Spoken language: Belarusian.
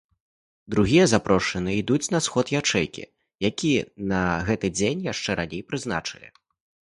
Другія запрошаныя ідуць на сход ячэйкі, які на гэты дзень яшчэ раней прызначылі.